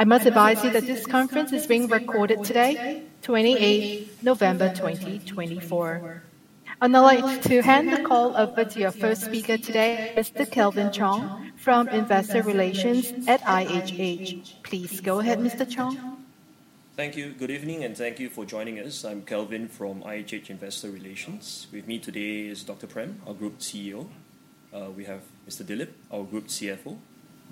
I must advise you that this conference is being recorded today, 28 November 2024. Operator, to hand the call over to your first speaker today, Mr. Kelvin Chong from Investor Relations at IHH. Please go ahead, Mr. Chong. Thank you. Good evening, and thank you for joining us. I'm Kelvin from IHH Investor Relations. With me today is Dr. Prem, our Group CEO. We have Mr. Dilip, our Group CFO,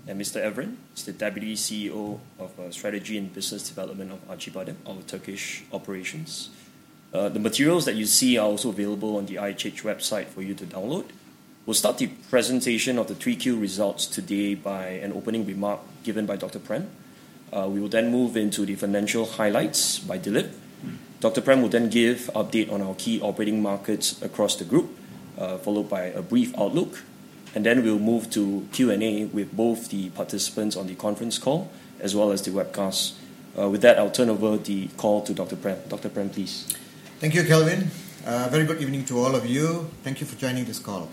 and Mr. Evren, the CEO of Strategy and Business Development of Acıbadem, our Turkish operations. The materials that you see are also available on the IHH website for you to download. We'll start the presentation of the three key results today by an opening remark given by Dr. Prem. We will then move into the financial highlights by Dilip. Dr. Prem will then give an update on our key operating markets across the group, followed by a brief outlook, and then we'll move to Q&A with both the participants on the conference call as well as the webcast. With that, I'll turn over the call to Dr. Prem. Dr. Prem, please. Thank you, Kelvin. Very good evening to all of you. Thank you for joining this call.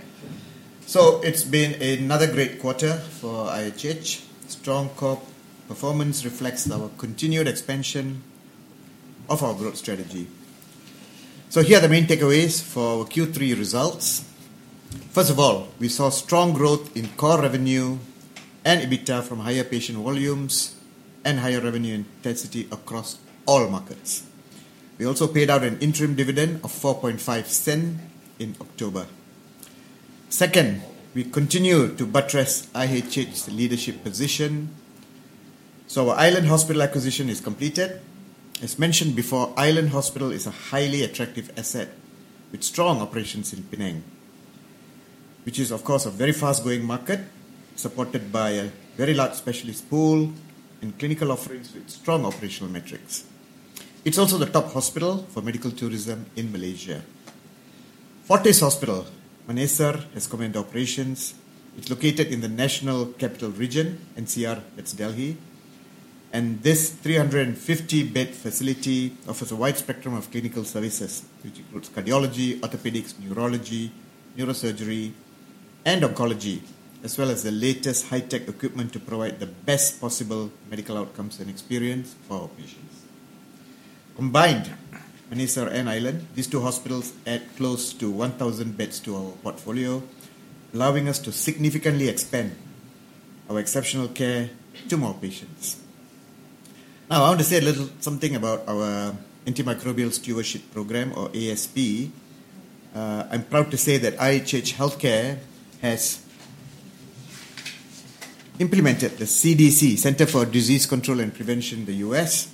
So it's been another great quarter for IHH. Strong core performance reflects our continued expansion of our growth strategy. So here are the main takeaways for our Q3 results. First of all, we saw strong growth in core revenue and EBITDA from higher patient volumes and higher revenue intensity across all markets. We also paid out an interim dividend of 0.045 in October. Second, we continue to buttress IHH's leadership position. So our Island Hospital acquisition is completed. As mentioned before, Island Hospital is a highly attractive asset with strong operations in Penang, which is, of course, a very fast-growing market supported by a very large specialist pool and clinical offerings with strong operational metrics. It's also the top hospital for medical tourism in Malaysia. For this hospital, Manesar has commenced operations. It's located in the National Capital Region, NCR, that's Delhi, and this 350-bed facility offers a wide spectrum of clinical services, which includes cardiology, orthopedics, neurology, neurosurgery, and oncology, as well as the latest high-tech equipment to provide the best possible medical outcomes and experience for our patients. Combined, Manesar and Island, these two hospitals add close to 1,000 beds to our portfolio, allowing us to significantly expand our exceptional care to more patients. Now, I want to say a little something about our antimicrobial stewardship program, or ASP. I'm proud to say that IHH Healthcare has implemented the CDC, Centers for Disease Control and Prevention, the U.S.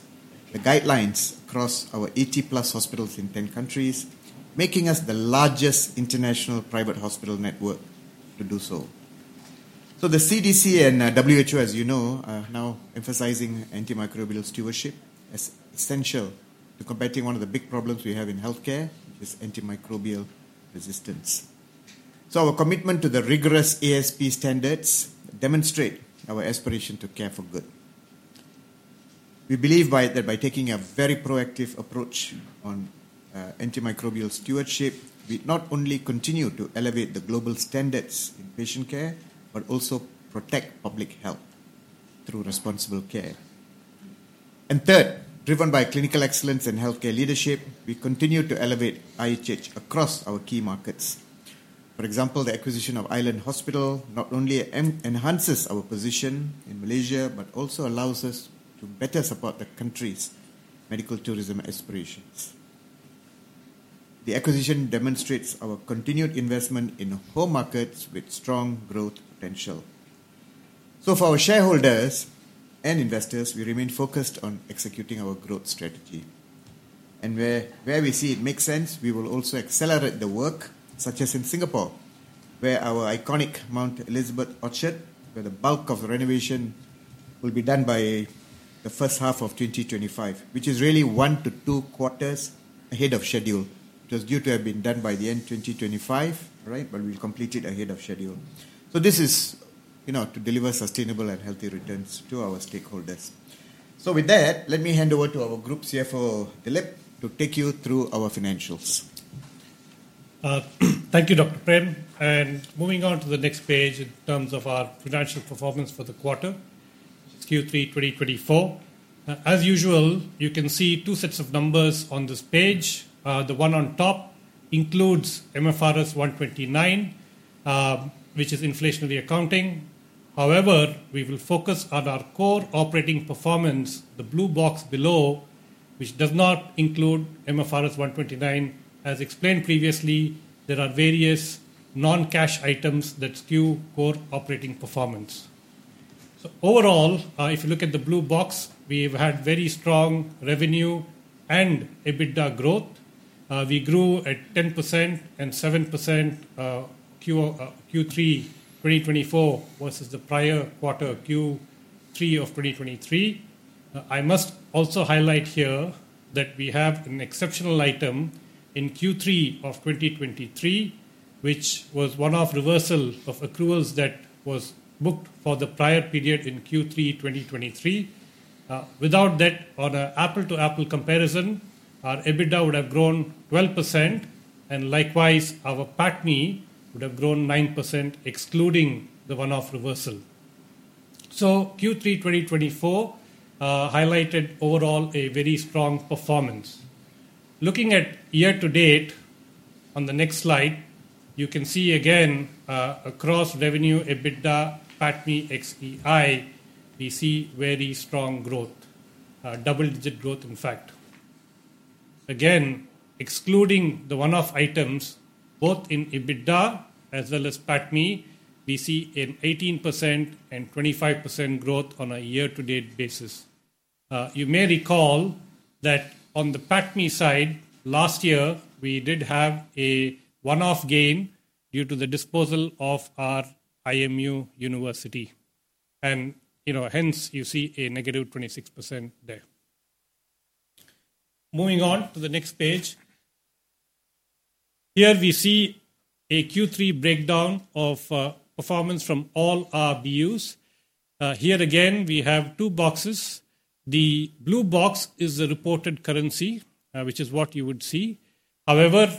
guidelines across our 80-plus hospitals in 10 countries, making us the largest international private hospital network to do so. So the CDC and WHO, as you know, are now emphasizing antimicrobial stewardship as essential to combating one of the big problems we have in healthcare, which is antimicrobial resistance. So our commitment to the rigorous ASP standards demonstrates our aspiration to care for good. We believe that by taking a very proactive approach on antimicrobial stewardship, we not only continue to elevate the global standards in patient care, but also protect public health through responsible care. And third, driven by clinical excellence and healthcare leadership, we continue to elevate IHH across our key markets. For example, the acquisition of Island Hospital not only enhances our position in Malaysia, but also allows us to better support the country's medical tourism aspirations. The acquisition demonstrates our continued investment in home markets with strong growth potential. So for our shareholders and investors, we remain focused on executing our growth strategy. Where we see it makes sense, we will also accelerate the work, such as in Singapore, where our iconic Mount Elizabeth Orchard, where the bulk of the renovation will be done by the first half of 2025, which is really one to two quarters ahead of schedule. It was due to have been done by the end of 2025, right? But we've completed ahead of schedule. This is to deliver sustainable and healthy returns to our stakeholders. With that, let me hand over to our Group CFO, Dilip, to take you through our financials. Thank you, Dr. Prem, and moving on to the next page in terms of our financial performance for the quarter, Q3 2024. As usual, you can see two sets of numbers on this page. The one on top includes MFRS 129, which is inflationary accounting. However, we will focus on our core operating performance, the blue box below, which does not include MFRS 129. As explained previously, there are various non-cash items that skew core operating performance. So overall, if you look at the blue box, we've had very strong revenue and EBITDA growth. We grew at 10% and 7% Q3 2024 versus the prior quarter, Q3 of 2023. I must also highlight here that we have an exceptional item in Q3 of 2023, which was one-off reversal of accruals that was booked for the prior period in Q3 2023. Without that, on an apples-to-apples comparison, our EBITDA would have grown 12%, and likewise, our PATMI would have grown 9%, excluding the one-off reversal. So Q3 2024 highlighted overall a very strong performance. Looking at year-to-date, on the next slide, you can see again, across revenue, EBITDA, PACMI, XEI, we see very strong growth, double-digit growth, in fact. Again, excluding the one-off items, both in EBITDA as well as PACMI, we see an 18% and 25% growth on a year-to-date basis. You may recall that on the PACMI side, last year, we did have a one-off gain due to the disposal of our IMU University. And hence, you see a negative 26% there. Moving on to the next page. Here, we see a Q3 breakdown of performance from all RBUs. Here again, we have two boxes. The blue box is the reported currency, which is what you would see. However,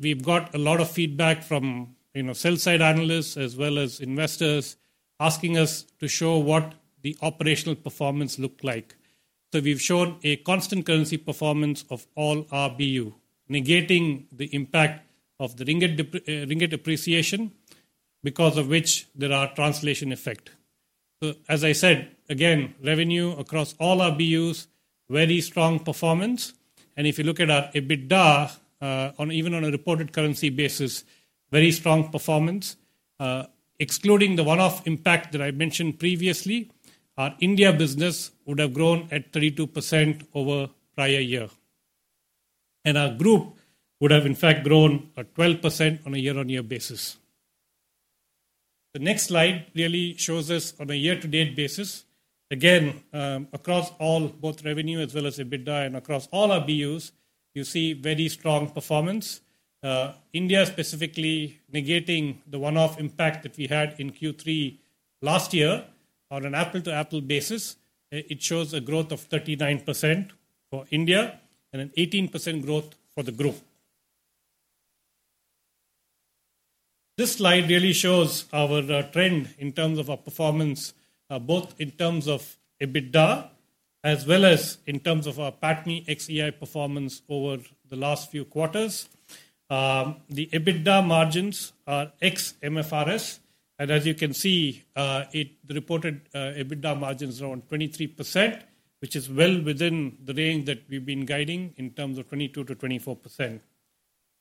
we've got a lot of feedback from sell-side analysts as well as investors asking us to show what the operational performance looked like. So we've shown a constant currency performance of all RBU, negating the impact of the ringgit appreciation, because of which there are translation effects. So as I said, again, revenue across all RBUs, very strong performance. And if you look at our EBITDA, even on a reported currency basis, very strong performance. Excluding the one-off impact that I mentioned previously, our India business would have grown at 32% over the prior year. And our group would have, in fact, grown 12% on a year-on-year basis. The next slide really shows us on a year-to-date basis, again, across all, both revenue as well as EBITDA and across all RBUs, you see very strong performance. India, specifically, negating the one-off impact that we had in Q3 last year on an apples-to-apples basis, it shows a growth of 39% for India and an 18% growth for the group. This slide really shows our trend in terms of our performance, both in terms of EBITDA as well as in terms of our PACMI XEI performance over the last few quarters. The EBITDA margins are ex-MFRS. As you can see, the reported EBITDA margin is around 23%, which is well within the range that we've been guiding in terms of 22%-24%.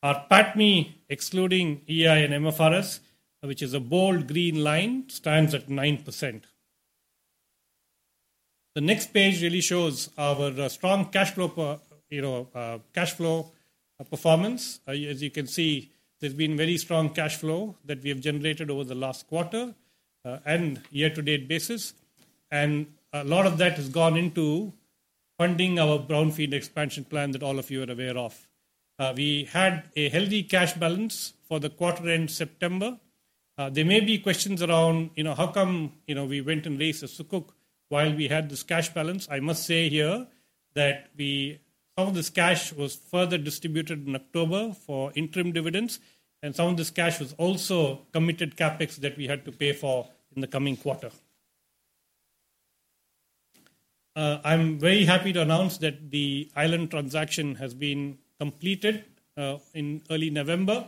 Our PACMI, excluding EI and MFRS, which is a bold green line, stands at 9%. The next page really shows our strong cash flow performance. As you can see, there's been very strong cash flow that we have generated over the last quarter and year-to-date basis. A lot of that has gone into funding our brownfield expansion plan that all of you are aware of. We had a healthy cash balance for the quarter-end September. There may be questions around how come we went and raised a sukuk while we had this cash balance. I must say here that some of this cash was further distributed in October for interim dividends. Some of this cash was also committed CapEx that we had to pay for in the coming quarter. I'm very happy to announce that the Island transaction has been completed in early November.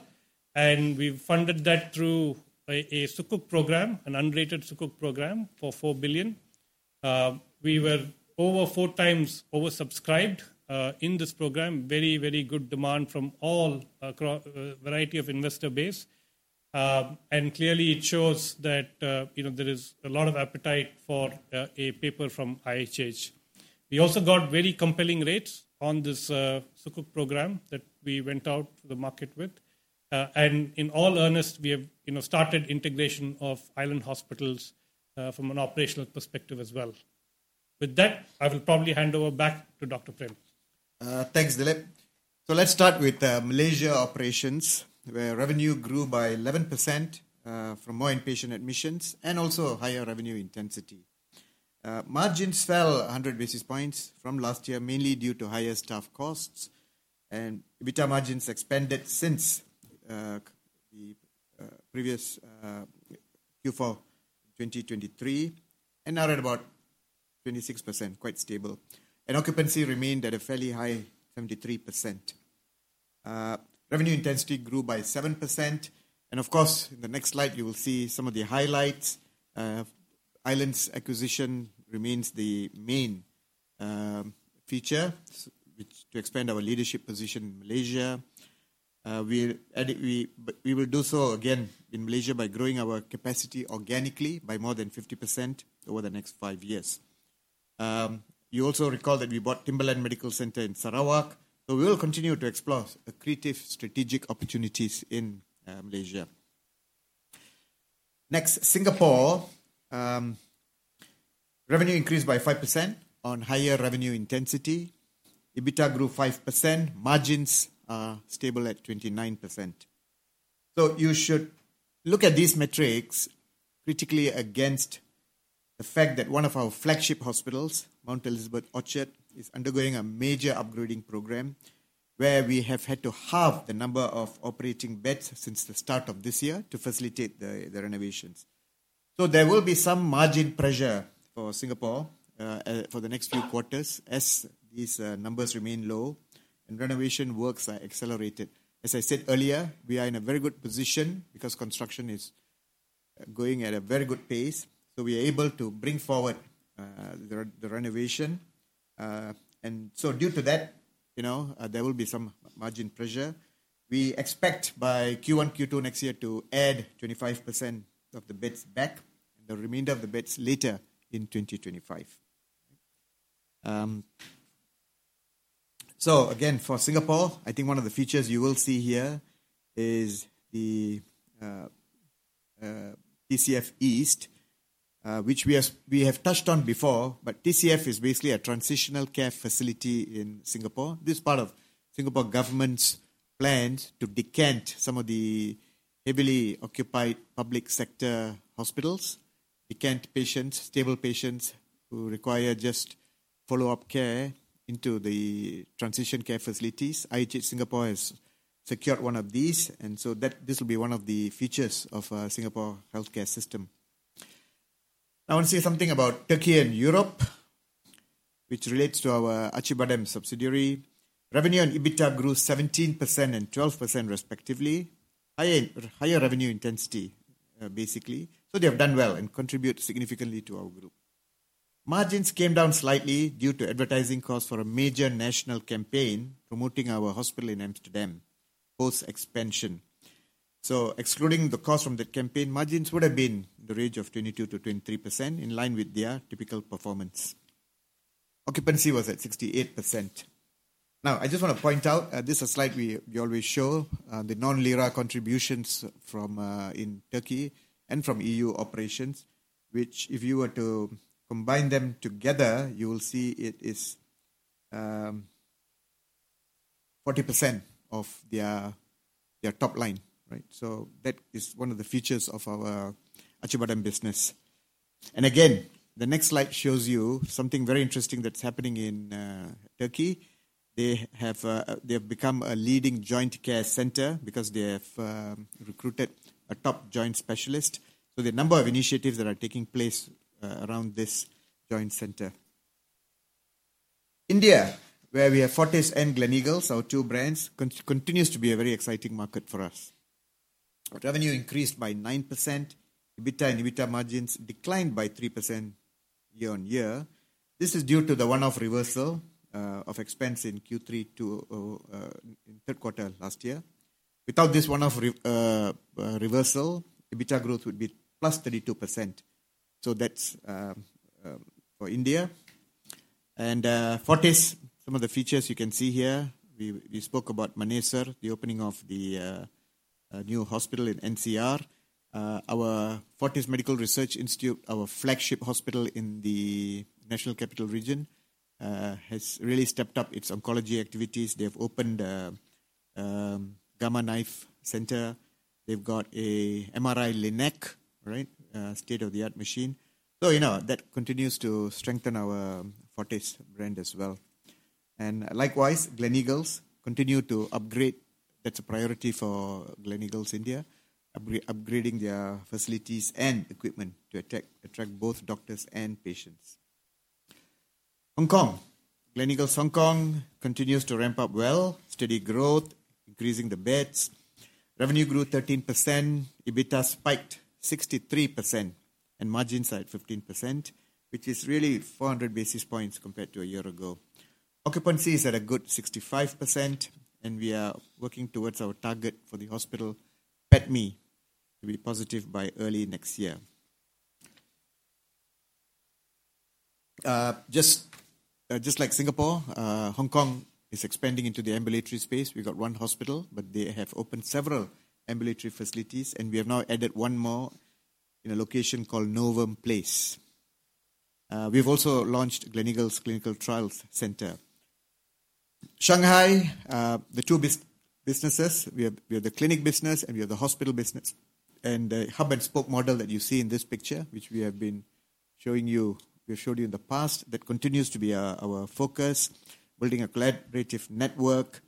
We've funded that through a sukuk program, an unrated sukuk program for 4 billion. We were over four times oversubscribed in this program, very, very good demand from all variety of investor base. Clearly, it shows that there is a lot of appetite for a paper from IHH. We also got very compelling rates on this sukuk program that we went out to the market with. And in all earnest, we have started integration of Island Hospital from an operational perspective as well. With that, I will probably hand over back to Dr. Prem. Thanks, Dilip. So let's start with Malaysia operations, where revenue grew by 11% from more inpatient admissions and also higher revenue intensity. Margins fell 100 basis points from last year, mainly due to higher staff costs. And EBITDA margins expanded since the previous Q4 2023 and are at about 26%, quite stable. And occupancy remained at a fairly high 73%. Revenue intensity grew by 7%. And of course, in the next slide, you will see some of the highlights. Island's acquisition remains the main feature to expand our leadership position in Malaysia. We will do so again in Malaysia by growing our capacity organically by more than 50% over the next five years. You also recall that we bought Timberland Medical Center in Sarawak. So we will continue to explore creative strategic opportunities in Malaysia. Next, Singapore. Revenue increased by 5% on higher revenue intensity. EBITDA grew 5%. Margins are stable at 29%, so you should look at these metrics critically against the fact that one of our flagship hospitals, Mount Elizabeth Orchard, is undergoing a major upgrading program, where we have had to halve the number of operating beds since the start of this year to facilitate the renovations, so there will be some margin pressure for Singapore for the next few quarters as these numbers remain low and renovation works are accelerated. As I said earlier, we are in a very good position because construction is going at a very good pace, so we are able to bring forward the renovation, and so due to that, there will be some margin pressure. We expect by Q1, Q2 next year to add 25% of the beds back and the remainder of the beds later in 2025. So again, for Singapore, I think one of the features you will see here is the TCF East, which we have touched on before. But TCF is basically a transitional care facility in Singapore. This is part of Singapore government's plans to decant some of the heavily occupied public sector hospitals, decant patients, stable patients who require just follow-up care into the transition care facilities. IHH Singapore has secured one of these. And so this will be one of the features of our Singapore healthcare system. I want to say something about Turkey and Europe, which relates to our Acıbadem subsidiary. Revenue and EBITDA grew 17% and 12%, respectively. Higher revenue intensity, basically. So they have done well and contribute significantly to our group. Margins came down slightly due to advertising costs for a major national campaign promoting our hospital in Amsterdam, post-expansion. Excluding the cost from the campaign, margins would have been in the range of 22%-23%, in line with their typical performance. Occupancy was at 68%. Now, I just want to point out this is a slide we always show, the non-Lira contributions from in Turkey and from EU operations, which if you were to combine them together, you will see it is 40% of their top line. So that is one of the features of our Acıbadem business. And again, the next slide shows you something very interesting that's happening in Turkey. They have become a leading joint care center because they have recruited a top joint specialist. So the number of initiatives that are taking place around this joint center. India, where we have Fortis and Gleneagles, our two brands, continues to be a very exciting market for us. Revenue increased by 9%. EBITDA and EBITDA margins declined by 3% year-on-year. This is due to the one-off reversal of expense in Q3, third quarter last year. Without this one-off reversal, EBITDA growth would be 32%. That's for India. Fortis, some of the features you can see here. We spoke about Manesar, the opening of the new hospital in NCR. Our Fortis Medical Research Institute, our flagship hospital in the National Capital Region, has really stepped up its oncology activities. They have opened a Gamma Knife Center. They've got an MRI Linac, state-of-the-art machine. That continues to strengthen our Fortis brand as well. Likewise, Gleneagles continues to upgrade. That's a priority for Gleneagles India, upgrading their facilities and equipment to attract both doctors and patients. Hong Kong, Gleneagles Hong Kong continues to ramp up well, steady growth, increasing the beds. Revenue grew 13%. EBITDA spiked 63% and margins at 15%, which is really 400 basis points compared to a year ago. Occupancy is at a good 65%. And we are working towards our target for the hospital, PATMI, to be positive by early next year. Just like Singapore, Hong Kong is expanding into the ambulatory space. We've got one hospital, but they have opened several ambulatory facilities. And we have now added one more in a location called Novum Place. We've also launched Gleneagles Clinical Trials Center. Shanghai, the two businesses. We have the clinic business and we have the hospital business. And the hub and spoke model that you see in this picture, which we have been showing you, we've showed you in the past, that continues to be our focus, building a collaborative network.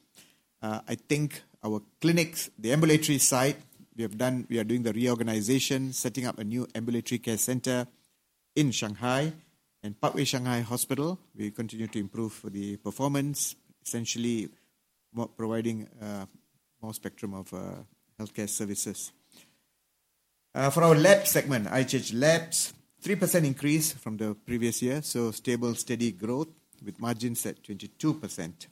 I think our clinics, the ambulatory side, we are doing the reorganization, setting up a new ambulatory care center in Shanghai and Parkway Shanghai Hospital. We continue to improve the performance, essentially providing a more spectrum of healthcare services. For our lab segment, IHH Labs, 3% increase from the previous year, so stable, steady growth with margins at 22%.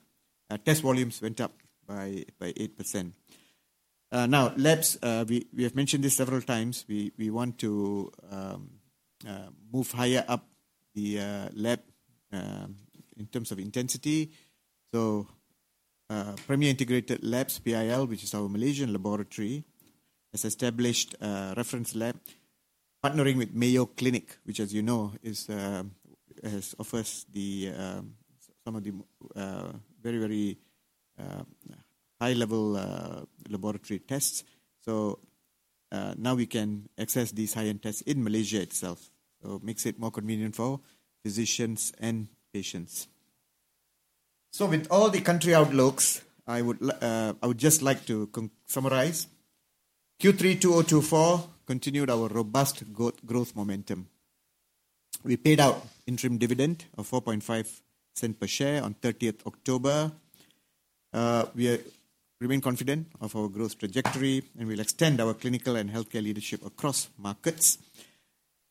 Test volumes went up by 8%. Now, labs, we have mentioned this several times. We want to move higher up the lab in terms of intensity, so Premier Integrated Labs PIL, which is our Malaysian laboratory, has established a reference lab partnering with Mayo Clinic, which, as you know, offers some of the very, very high-level laboratory tests, so now we can access these high-end tests in Malaysia itself, so with all the country outlooks, I would just like to summarize. Q3 2024 continued our robust growth momentum. We paid out interim dividend of 4.5% per share on 30th October. We remain confident of our growth trajectory and we'll extend our clinical and healthcare leadership across markets,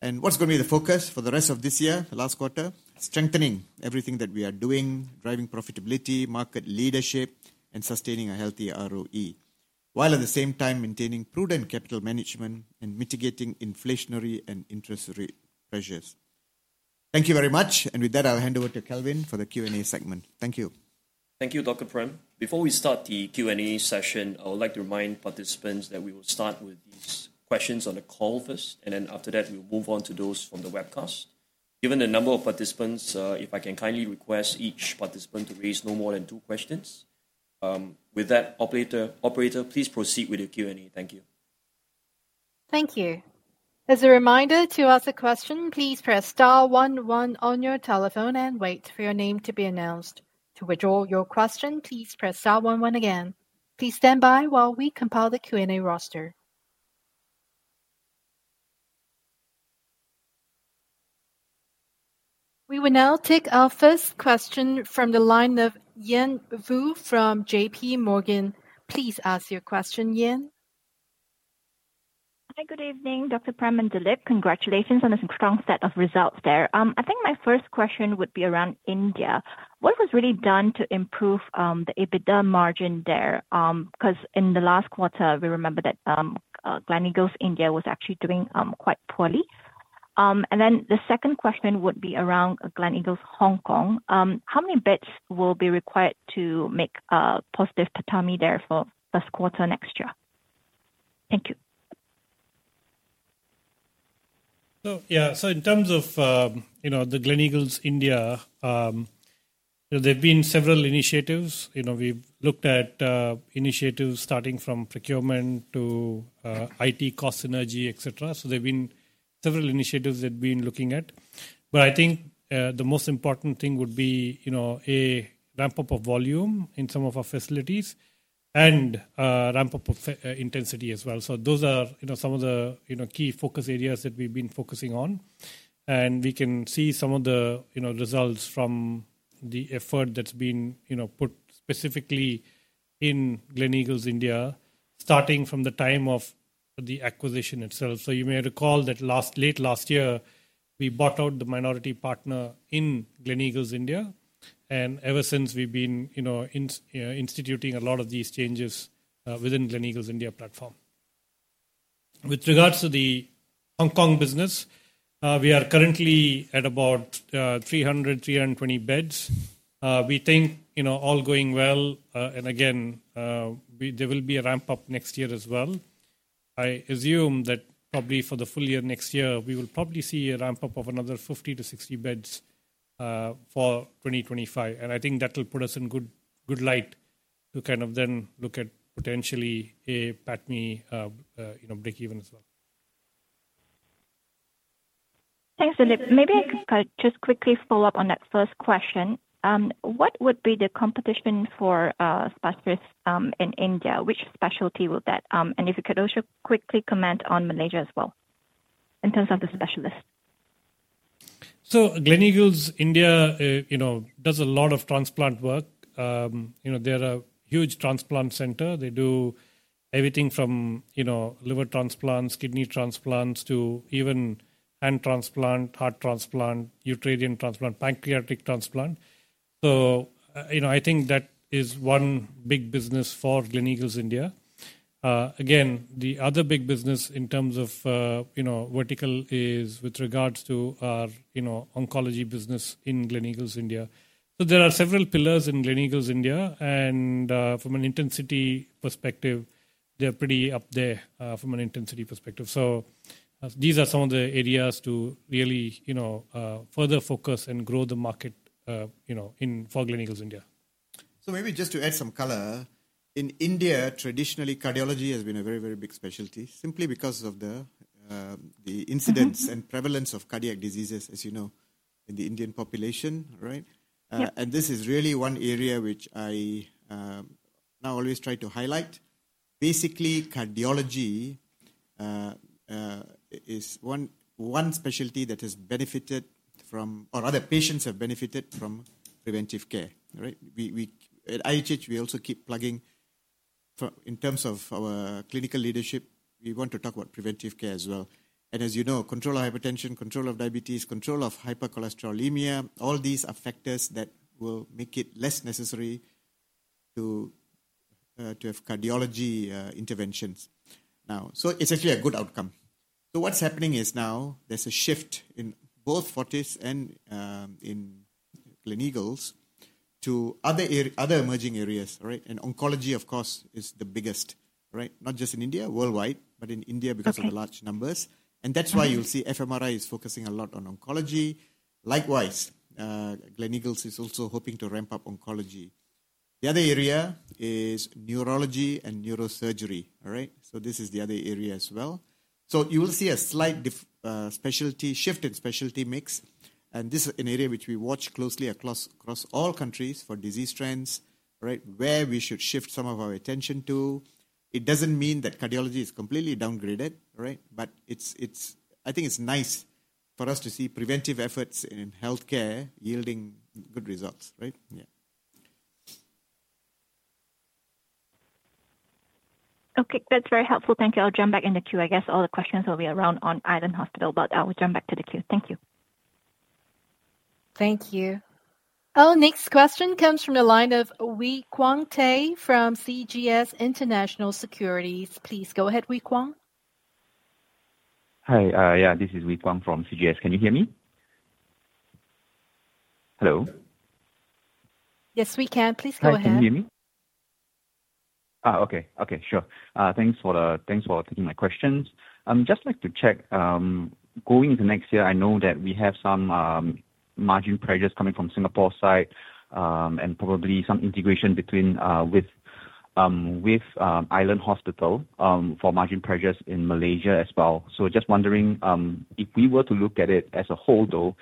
and what's going to be the focus for the rest of this year, the last quarter? Strengthening everything that we are doing, driving profitability, market leadership, and sustaining a healthy ROE, while at the same time maintaining prudent capital management and mitigating inflationary and interest rate pressures. Thank you very much, and with that, I'll hand over to Kelvin for the Q&A segment. Thank you. Thank you, Dr. Prem. Before we start the Q&A session, I would like to remind participants that we will start with these questions on the call first, and then after that, we will move on to those from the webcast. Given the number of participants, if I can kindly request each participant to raise no more than two questions. With that, operator, please proceed with your Q&A. Thank you. Thank you. As a reminder to ask a question, please press star 11 on your telephone and wait for your name to be announced. To withdraw your question, please press star 11 again. Please stand by while we compile the Q&A roster. We will now take our first question from the line of Yen Vu from JP Morgan. Please ask your question, Yen. Hi, good evening, Dr. Prem and Dilip. Congratulations on a strong set of results there. I think my first question would be around India. What was really done to improve the EBITDA margin there? Because in the last quarter, we remember that Gleneagles India was actually doing quite poorly. And then the second question would be around Gleneagles Hong Kong. How many beds will be required to make a positive PATMI there for the first quarter next year? Thank you. So yeah, so in terms of the Gleneagles India, there have been several initiatives. We've looked at initiatives starting from procurement to IT cost synergy, etc. So there have been several initiatives that we've been looking at. But I think the most important thing would be a ramp-up of volume in some of our facilities and a ramp-up of intensity as well. So those are some of the key focus areas that we've been focusing on. And we can see some of the results from the effort that's been put specifically in Gleneagles India, starting from the time of the acquisition itself. So you may recall that late last year, we bought out the minority partner in Gleneagles India. And ever since, we've been instituting a lot of these changes within Gleneagles India platform. With regards to the Hong Kong business, we are currently at about 300-320 beds. We think all going well. And again, there will be a ramp-up next year as well. I assume that probably for the full year next year, we will probably see a ramp-up of another 50 to 60 beds for 2025. And I think that will put us in good light to kind of then look at potentially a PATMI break-even as well. Thanks, Dilip. Maybe I could just quickly follow up on that first question. What would be the competition for specialists in India? Which specialty will that? And if you could also quickly comment on Malaysia as well in terms of the specialists. So Gleneagles India does a lot of transplant work. They're a huge transplant center. They do everything from liver transplants, kidney transplants, to even hand transplant, heart transplant, uterine transplant, pancreatic transplant. So I think that is one big business for Gleneagles India. Again, the other big business in terms of vertical is with regards to our oncology business in Gleneagles India. So there are several pillars in Gleneagles India. And from an intensity perspective, they're pretty up there from an intensity perspective. So these are some of the areas to really further focus and grow the market for Gleneagles India. So maybe just to add some color, in India, traditionally, cardiology has been a very, very big specialty simply because of the incidence and prevalence of cardiac diseases, as you know, in the Indian population. And this is really one area which I now always try to highlight. Basically, cardiology is one specialty that has benefited from, or other patients have benefited from, preventive care. At IHH, we also keep plugging in terms of our clinical leadership. We want to talk about preventive care as well. And as you know, control of hypertension, control of diabetes, control of hypercholesterolemia, all these are factors that will make it less necessary to have cardiology interventions. Now, so it's actually a good outcome. So what's happening is now there's a shift in both Fortis and in Gleneagles to other emerging areas. And oncology, of course, is the biggest, not just in India, worldwide, but in India because of the large numbers. And that's why you'll see FMRI is focusing a lot on oncology. Likewise, Gleneagles is also hoping to ramp up oncology. The other area is neurology and neurosurgery. So this is the other area as well. So you will see a slight specialty shift in specialty mix. And this is an area which we watch closely across all countries for disease trends, where we should shift some of our attention to. It doesn't mean that cardiology is completely downgraded, but I think it's nice for us to see preventive efforts in healthcare yielding good results. Yeah. Okay, that's very helpful. Thank you. I'll jump back in the queue. I guess all the questions will be around on Island Hospital, but I will jump back to the queue. Thank you. Thank you. Our next question comes from the line of Wei Quang Tay from CGS International Securities. Please go ahead, Wei Quang. Hi, yeah, this is Wei Quang from CGS. Can you hear me? Hello? Yes, we can. Please go ahead. Can you hear me? Okay. Okay, sure. Thanks for taking my questions. I'd just like to check. Going into next year, I know that we have some margin pressures coming from Singapore side and probably some integration with Island Hospital for margin pressures in Malaysia as well. So just wondering if we were to look at it as a whole, though,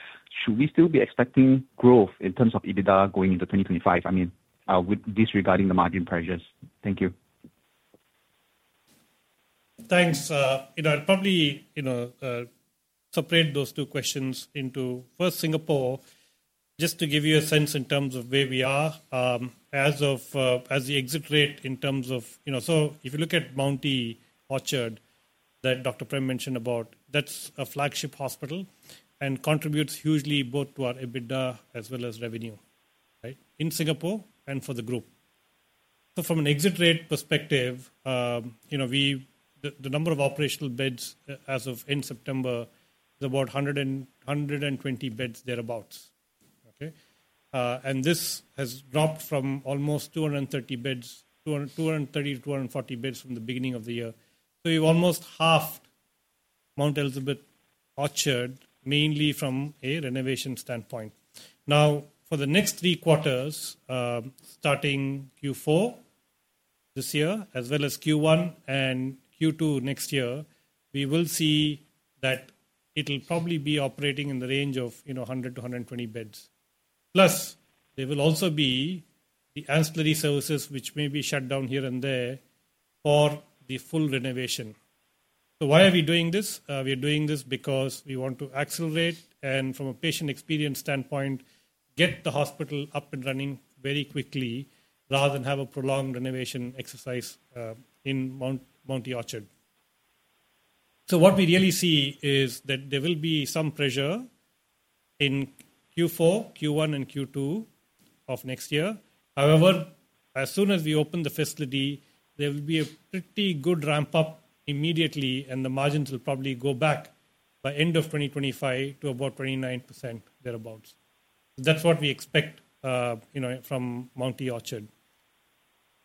should we still be expecting growth in terms of EBITDA going into 2025? I mean, disregarding the margin pressures. Thank you. Thanks. Probably separate those two questions into first Singapore, just to give you a sense in terms of where we are as the exit rate in terms of, so if you look at Mount Elizabeth Orchard, that Dr. Prem mentioned about, that's a flagship hospital and contributes hugely both to our EBITDA as well as revenue in Singapore and for the group. So from an exit rate perspective, the number of operational beds as of end September is about 120 beds thereabouts. This has dropped from almost 230-240 beds from the beginning of the year. So we've almost halved Mount Elizabeth Orchard mainly from a renovation standpoint. Now, for the next three quarters, starting Q4 this year, as well as Q1 and Q2 next year, we will see that it'll probably be operating in the range of 100-120 beds. Plus, there will also be the ancillary services, which may be shut down here and there for the full renovation. So why are we doing this? We're doing this because we want to accelerate and from a patient experience standpoint, get the hospital up and running very quickly rather than have a prolonged renovation exercise in Mounty Orchard. So what we really see is that there will be some pressure in Q4, Q1, and Q2 of next year. However, as soon as we open the facility, there will be a pretty good ramp-up immediately, and the margins will probably go back by end of 2025 to about 29% thereabouts. That's what we expect from Mounty Orchard.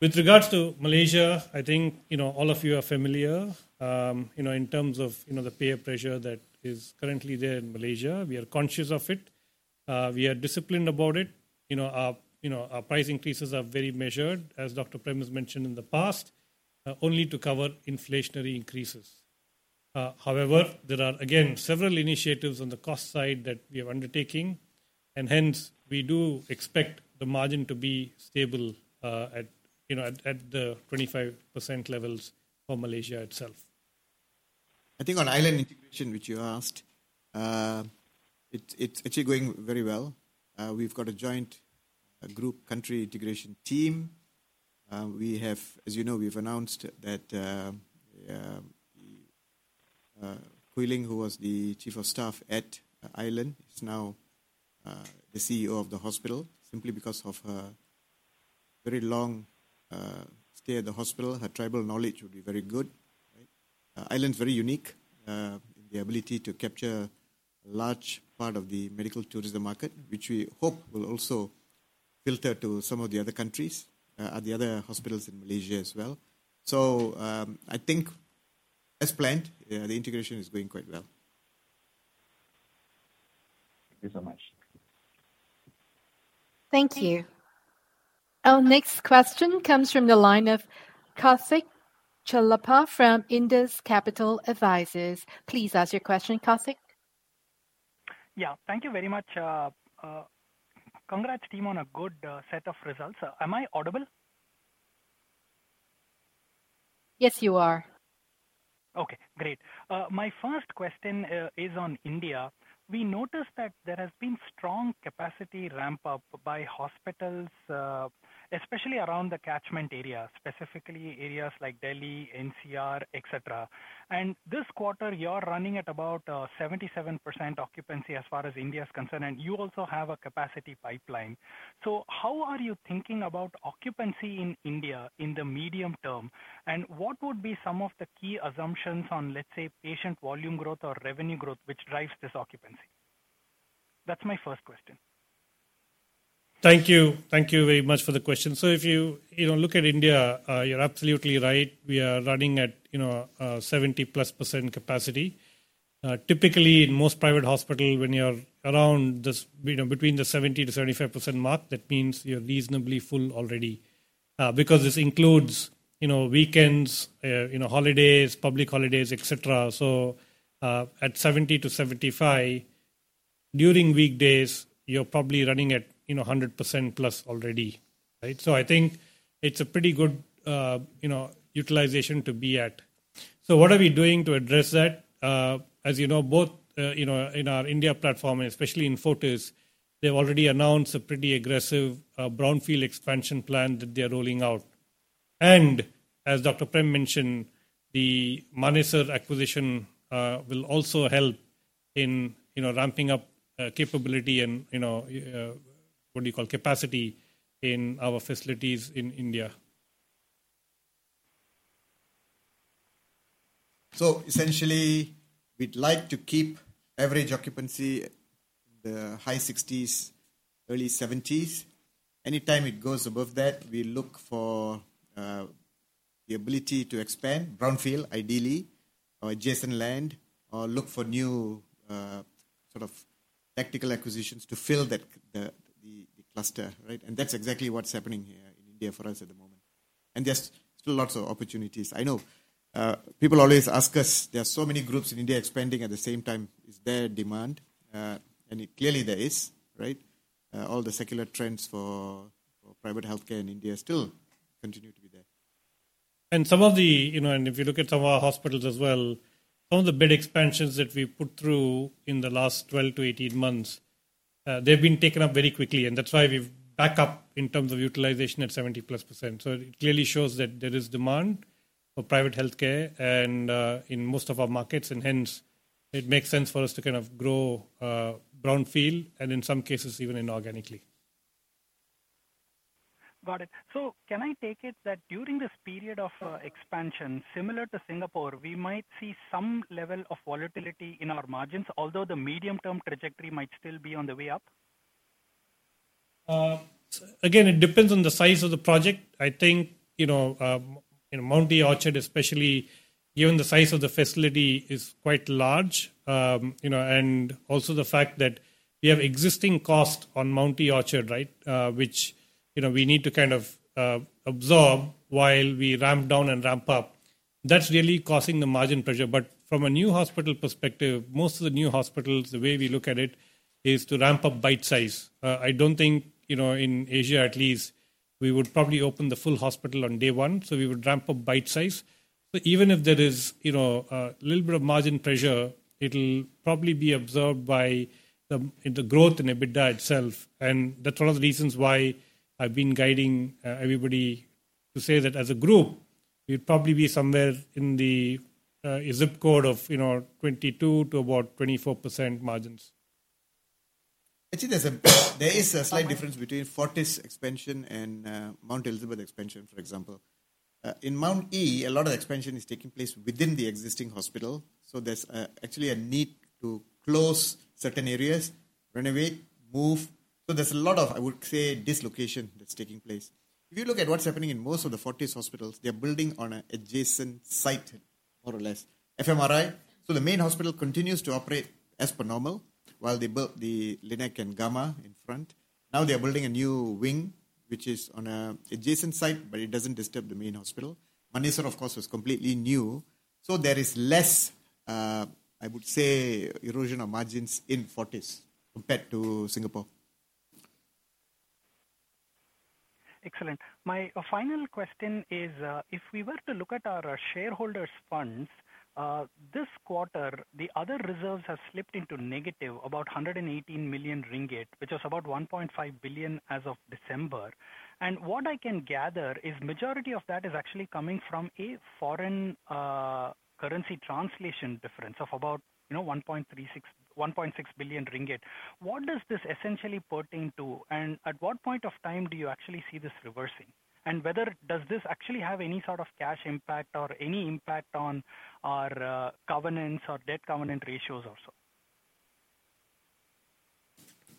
With regards to Malaysia, I think all of you are familiar in terms of the payer pressure that is currently there in Malaysia. We are conscious of it. We are disciplined about it. Our price increases are very measured, as Dr. Prem has mentioned in the past, only to cover inflationary increases. However, there are, again, several initiatives on the cost side that we are undertaking. And hence, we do expect the margin to be stable at the 25% levels for Malaysia itself. I think on Island integration, which you asked, it's actually going very well. We've got a joint group country integration team. As you know, we've announced that Kui Ling, who was the chief of staff at Island, is now the CEO of the hospital simply because of her very long stay at the hospital. Her tribal knowledge would be very good. Island is very unique in the ability to capture a large part of the medical tourism market, which we hope will also filter to some of the other countries, the other hospitals in Malaysia as well. So I think as planned, the integration is going quite well. Thank you so much. Thank you. Our next question comes from the line of Karthik Chellappa from Indus Capital Advisors. Please ask your question, Karthik. Yeah, thank you very much. Congrats, team, on a good set of results. Am I audible? Yes, you are. Okay, great. My first question is on India. We noticed that there has been strong capacity ramp-up by hospitals, especially around the catchment area, specifically areas like Delhi, NCR, etc. And this quarter, you're running at about 77% occupancy as far as India is concerned. And you also have a capacity pipeline. So how are you thinking about occupancy in India in the medium term? And what would be some of the key assumptions on, let's say, patient volume growth or revenue growth, which drives this occupancy? That's my first question. Thank you. Thank you very much for the question. So if you look at India, you're absolutely right. We are running at 70% plus capacity. Typically, in most private hospitals, when you're around between the 70%-75% mark, that means you're reasonably full already. Because this includes weekends, holidays, public holidays, etc. So at 70%-75%, during weekdays, you're probably running at 100% plus already. So I think it's a pretty good utilization to be at. So what are we doing to address that? As you know, both in our India platform, and especially in Fortis, they've already announced a pretty aggressive brownfield expansion plan that they're rolling out. And as Dr. Prem mentioned, the Manesar acquisition will also help in ramping up capability and what do you call capacity in our facilities in India. So essentially, we'd like to keep average occupancy in the high 60s, early 70s. Anytime it goes above that, we look for the ability to expand brownfield, ideally, or adjacent land, or look for new sort of tactical acquisitions to fill the cluster. And that's exactly what's happening here in India for us at the moment. And there's still lots of opportunities. I know people always ask us, there are so many groups in India expanding at the same time. Is there demand? And clearly, there is. All the secular trends for private healthcare in India still continue to be there. If you look at some of our hospitals as well, some of the bed expansions that we've put through in the last 12 to 18 months, they've been taken up very quickly. That's why we're back up in terms of utilization at 70% plus. It clearly shows that there is demand for private healthcare in most of our markets. Hence, it makes sense for us to kind of grow brownfield, and in some cases, even inorganically. Got it. So can I take it that during this period of expansion, similar to Singapore, we might see some level of volatility in our margins, although the medium-term trajectory might still be on the way up? Again, it depends on the size of the project. I think Mounty Orchard, especially given the size of the facility, is quite large. And also the fact that we have existing costs on Mounty Orchard, which we need to kind of absorb while we ramp down and ramp up, that's really causing the margin pressure. But from a new hospital perspective, most of the new hospitals, the way we look at it, is to ramp up bite size. I don't think, in Asia at least, we would probably open the full hospital on day one. So we would ramp up bite size. So even if there is a little bit of margin pressure, it'll probably be absorbed by the growth in EBITDA itself. That's one of the reasons why I've been guiding everybody to say that as a group, we'd probably be somewhere in the zip code of 22% to about 24% margins. Actually, there is a slight difference between Fortis expansion and Mount Elizabeth expansion, for example. In Mounty, a lot of expansion is taking place within the existing hospital. So there's actually a need to close certain areas, renovate, move. So there's a lot of, I would say, dislocation that's taking place. If you look at what's happening in most of the Fortis hospitals, they're building on an adjacent site, more or less. FMRI, so the main hospital continues to operate as per normal, while they built the Linac and Gamma in front. Now they're building a new wing, which is on an adjacent site, but it doesn't disturb the main hospital. Manesar, of course, was completely new. So there is less, I would say, erosion of margins in Fortis compared to Singapore. Excellent. My final question is, if we were to look at our shareholders' funds, this quarter, the other reserves have slipped into negative, about 118 million ringgit, which was about 1.5 billion as of December. And what I can gather is majority of that is actually coming from a foreign currency translation difference of about 1.6 billion ringgit. What does this essentially pertain to? And at what point of time do you actually see this reversing? And whether does this actually have any sort of cash impact or any impact on our covenants or debt covenant ratios also?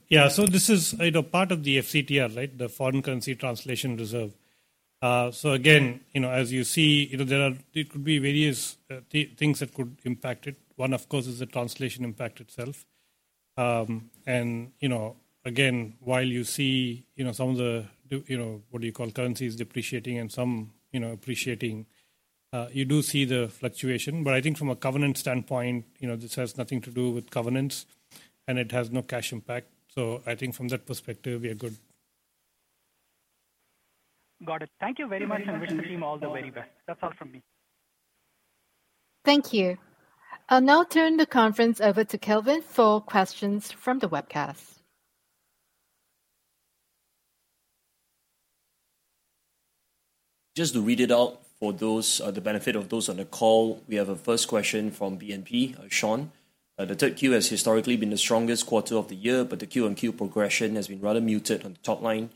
Yeah, so this is part of the FCTR, the Foreign Currency Translation Reserve. So again, as you see, there could be various things that could impact it. One, of course, is the translation impact itself. And again, while you see some of the, what do you call, currencies depreciating and some appreciating, you do see the fluctuation. But I think from a covenant standpoint, this has nothing to do with covenants, and it has no cash impact. So I think from that perspective, we are good. Got it. Thank you very much. I wish the team all the very best. That's all from me. Thank you. I'll now turn the conference over to Kelvin for questions from the webcast. Just to read it out for the benefit of those on the call, we have a first question from BNP, Sean. The third Q has historically been the strongest quarter of the year, but the Q on Q progression has been rather muted on the top line.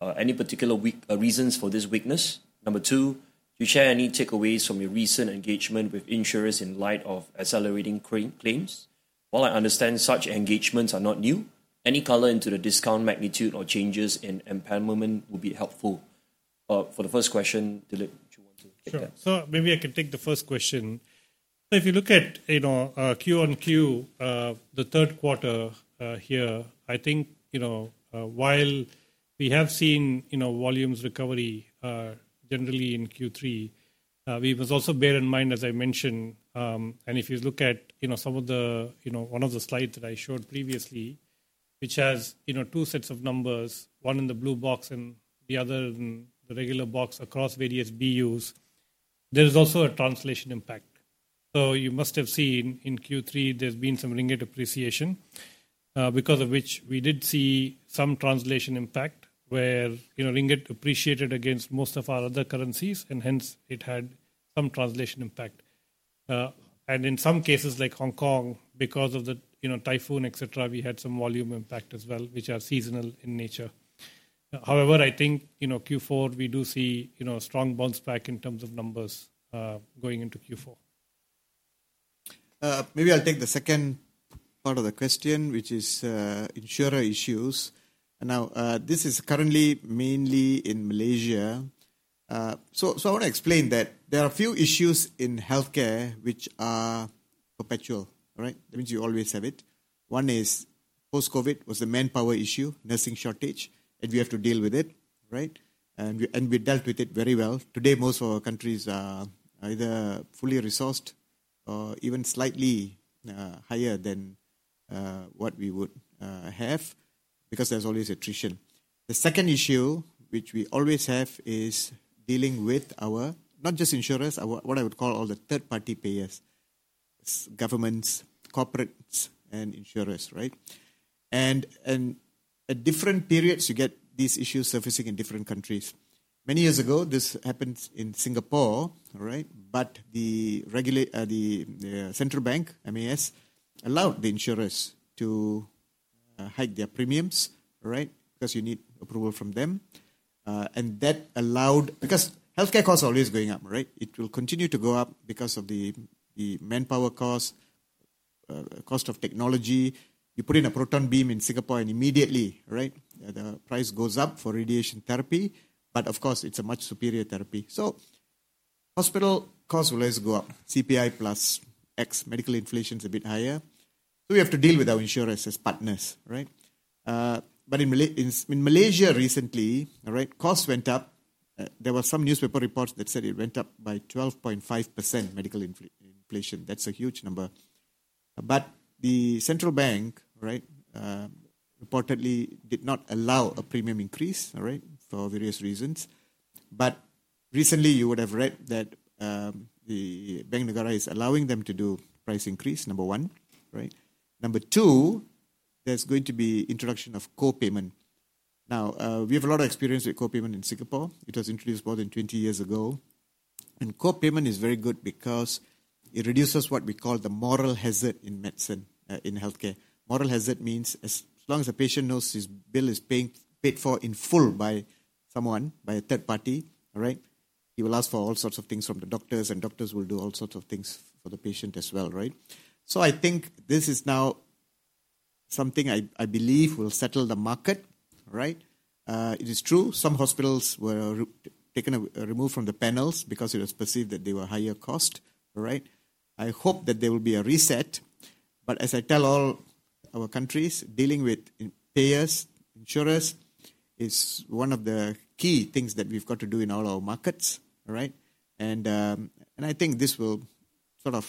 Any particular reasons for this weakness? Number two, could you share any takeaways from your recent engagement with insurers in light of accelerating claims? While I understand such engagements are not new, any color into the discount magnitude or changes in empowerment would be helpful. For the first question, Dilip, would you want to kick off? Sure. So maybe I can take the first question. So if you look at Q on Q, the third quarter here, I think while we have seen volumes recovery generally in Q3, we must also bear in mind, as I mentioned, and if you look at some of the slides that I showed previously, which has two sets of numbers, one in the blue box and the other in the regular box across various BUs, there is also a translation impact. So you must have seen in Q3, there's been some ringgit appreciation because of which we did see some translation impact where ringgit appreciated against most of our other currencies, and hence it had some translation impact. And in some cases, like Hong Kong, because of the typhoon, etc., we had some volume impact as well, which are seasonal in nature. However, I think Q4, we do see strong bounce back in terms of numbers going into Q4. Maybe I'll take the second part of the question, which is insurer issues. Now, this is currently mainly in Malaysia. So I want to explain that there are a few issues in healthcare which are perpetual. That means you always have it. One is post-COVID was the manpower issue, nursing shortage, and we have to deal with it. And we dealt with it very well. Today, most of our countries are either fully resourced or even slightly higher than what we would have because there's always attrition. The second issue which we always have is dealing with our, not just insurers, what I would call all the third-party payers, governments, corporates, and insurers. And at different periods, you get these issues surfacing in different countries. Many years ago, this happened in Singapore, but the central bank, MAS, allowed the insurers to hike their premiums because you need approval from them. And that allowed because healthcare costs are always going up. It will continue to go up because of the manpower cost, cost of technology. You put in a proton beam in Singapore, and immediately the price goes up for radiation therapy. But of course, it's a much superior therapy. So hospital costs will always go up. CPI plus X, medical inflation is a bit higher. So we have to deal with our insurers as partners. But in Malaysia recently, costs went up. There were some newspaper reports that said it went up by 12.5% medical inflation. That's a huge number. But the central bank reportedly did not allow a premium increase for various reasons. But recently, you would have read that the Bank Negara is allowing them to do price increase, number one. Number two, there's going to be introduction of co-payment. Now, we have a lot of experience with co-payment in Singapore. It was introduced more than 20 years ago, and co-payment is very good because it reduces what we call the moral hazard in medicine, in healthcare. Moral hazard means as long as a patient knows his bill is paid for in full by someone, by a third party, he will ask for all sorts of things from the doctors, and doctors will do all sorts of things for the patient as well, so I think this is now something I believe will settle the market. It is true. Some hospitals were taken or removed from the panels because it was perceived that they were higher cost. I hope that there will be a reset, but as I tell all our countries, dealing with payers, insurers is one of the key things that we've got to do in all our markets. I think this will sort of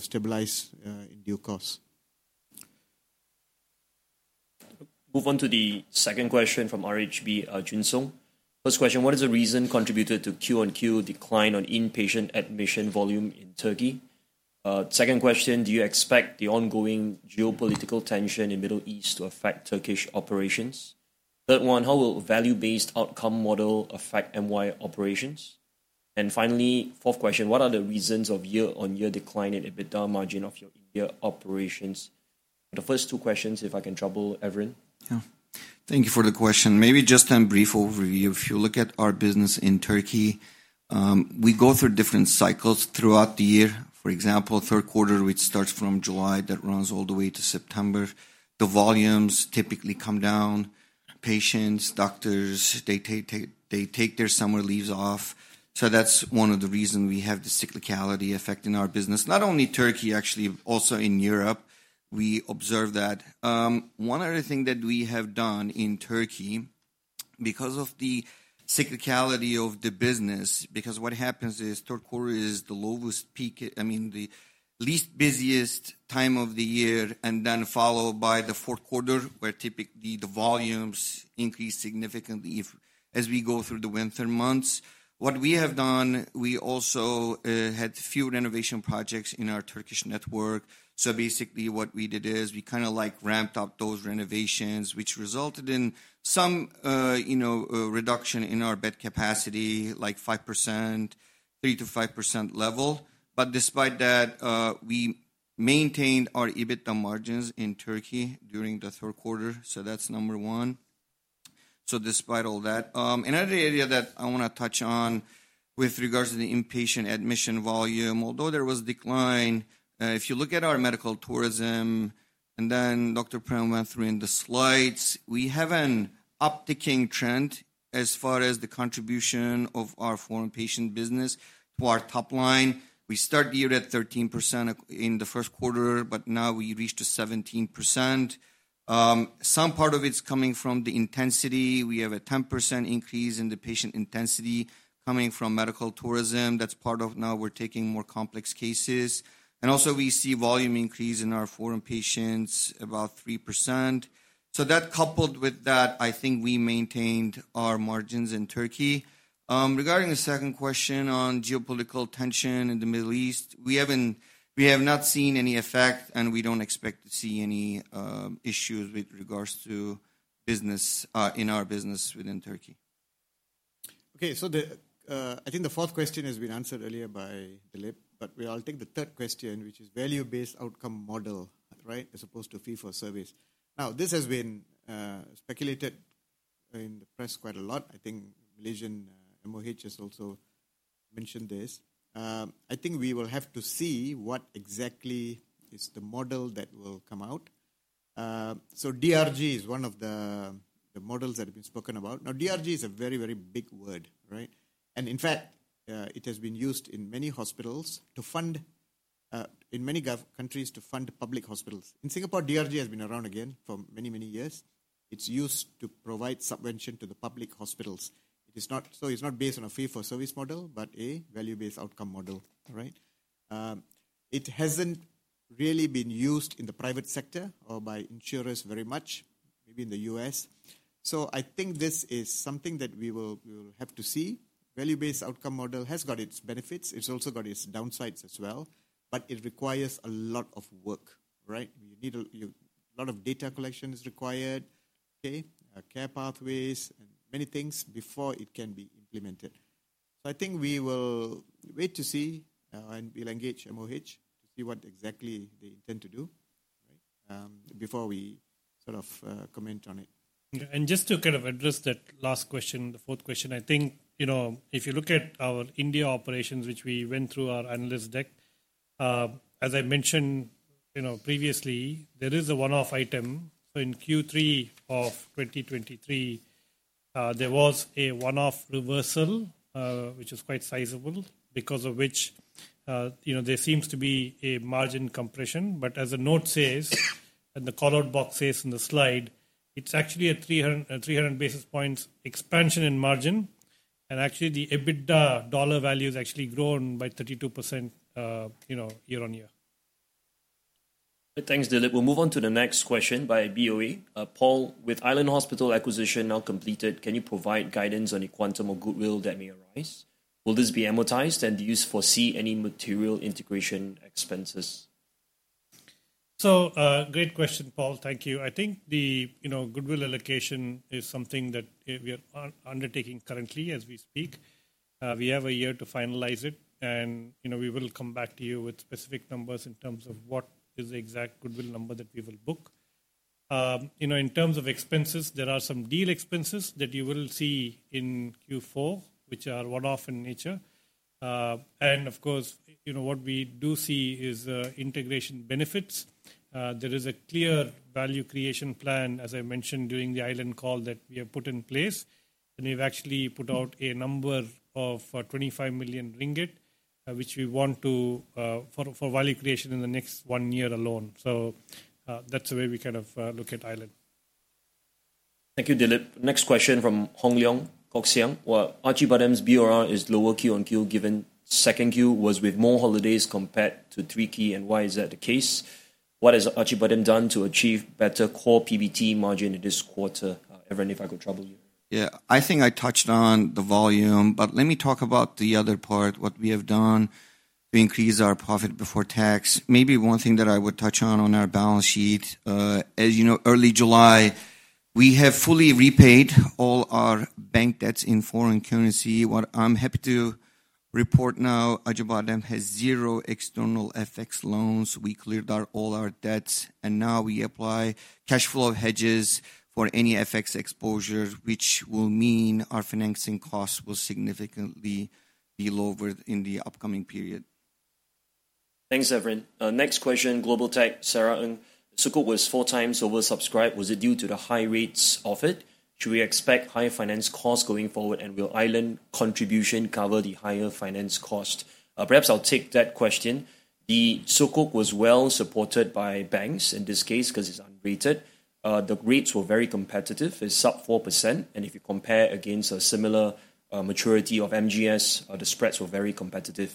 stabilize in due course. Move on to the second question from RHB, Chun Siong. First question, what is the reason contributed to Q on Q decline in inpatient admission volume in Turkey? Second question, do you expect the ongoing geopolitical tension in the Middle East to affect Turkish operations? Third one, how will value-based outcome model affect MY operations? And finally, fourth question, what are the reasons of year-on-year decline in EBITDA margin of your India operations? The first two questions, if I can trouble Evren. Yeah. Thank you for the question. Maybe just a brief overview. If you look at our business in Turkey, we go through different cycles throughout the year. For example, third quarter, which starts from July, that runs all the way to September. The volumes typically come down. Patients, doctors, they take their summer leaves off. So that's one of the reasons we have the cyclicality effect in our business. Not only Turkey, actually, also in Europe, we observe that. One other thing that we have done in Turkey, because of the cyclicality of the business, because what happens is third quarter is the lowest peak, I mean, the least busiest time of the year, and then followed by the fourth quarter, where typically the volumes increase significantly as we go through the winter months. What we have done, we also had few renovation projects in our Turkish network. So basically, what we did is we kind of ramped up those renovations, which resulted in some reduction in our bed capacity, like 5%, 3-5% level. But despite that, we maintained our EBITDA margins in Turkey during the third quarter. So that's number one. So despite all that, another area that I want to touch on with regards to the inpatient admission volume, although there was decline, if you look at our medical tourism, and then Dr. Prem went through in the slides, we have an upticking trend as far as the contribution of our foreign patient business to our top line. We started the year at 13% in the first quarter, but now we reached 17%. Some part of it's coming from the intensity. We have a 10% increase in the patient intensity coming from medical tourism. That's part of now we're taking more complex cases. And also, we see volume increase in our foreign patients, about 3%. So that coupled with that, I think we maintained our margins in Turkey. Regarding the second question on geopolitical tension in the Middle East, we have not seen any effect, and we don't expect to see any issues with regards to business in our business within Turkey. Okay. So I think the fourth question has been answered earlier by Dilip, but we'll take the third question, which is value-based outcome model as opposed to fee for service. Now, this has been speculated in the press quite a lot. I think Malaysian MOH has also mentioned this. I think we will have to see what exactly is the model that will come out. So DRG is one of the models that have been spoken about. Now, DRG is a very, very big word. And in fact, it has been used in many hospitals to fund, in many countries, to fund public hospitals. In Singapore, DRG has been around again for many, many years. It's used to provide subvention to the public hospitals. So it's not based on a fee for service model, but a value-based outcome model. It hasn't really been used in the private sector or by insurers very much, maybe in the U.S. So I think this is something that we will have to see. Value-Based Outcome Model has got its benefits. It's also got its downsides as well. But it requires a lot of work. A lot of data collection is required, care pathways, and many things before it can be implemented. So I think we will wait to see, and we'll engage MOH to see what exactly they intend to do before we sort of comment on it. Just to kind of address that last question, the fourth question, I think if you look at our India operations, which we went through our analyst deck, as I mentioned previously, there is a one-off item. In Q3 of 2023, there was a one-off reversal, which is quite sizable, because of which there seems to be a margin compression. As the note says and the callout box says in the slide, it's actually a 300 basis points expansion in margin. Actually, the EBITDA dollar value has actually grown by 32% year on year. Thanks, Dilip. We'll move on to the next question by BOE. Paul, with Island Hospital acquisition now completed, can you provide guidance on a quantum or goodwill that may arise? Will this be amortized, and do you foresee any material integration expenses? So great question, Paul. Thank you. I think the goodwill allocation is something that we are undertaking currently as we speak. We have a year to finalize it, and we will come back to you with specific numbers in terms of what is the exact goodwill number that we will book. In terms of expenses, there are some deal expenses that you will see in Q4, which are one-off in nature. And of course, what we do see is integration benefits. There is a clear value creation plan, as I mentioned during the Island call, that we have put in place. And we've actually put out a number of 25 million ringgit, which we want for value creation in the next one year alone. So that's the way we kind of look at Island. Thank you, Dilip. Next question from Hong Leong Kok Siang. Archie Bottom's BOR is lower Q on Q given second Q was with more holidays compared to 3Q. And why is that the case? What has Acibadem bottom done to achieve better core PBT margin this quarter? Evren, if I could trouble you. Yeah. I think I touched on the volume, but let me talk about the other part, what we have done to increase our profit before tax. Maybe one thing that I would touch on on our balance sheet. As you know, early July, we have fully repaid all our bank debts in foreign currency. What I'm happy to report now, Archie Bottom has zero external FX loans. We cleared out all our debts, and now we apply cash flow hedges for any FX exposure, which will mean our financing costs will significantly be lower in the upcoming period. Thanks, Evren. Next question, Global Tech Sarah Ng. Sukuk was four times oversubscribed. Was it due to the high rates of it? Should we expect higher finance costs going forward, and will Island contribution cover the higher finance cost? Perhaps I'll take that question. The Sukuk was well supported by banks in this case because it's unrated. The rates were very competitive. It's sub 4%. And if you compare against a similar maturity of MGS, the spreads were very competitive.